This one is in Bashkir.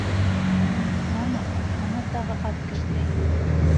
Ана, ана тағы ат кешнәй.